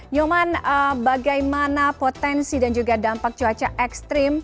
nyoman bagaimana potensi dan juga dampak cuaca ekstrim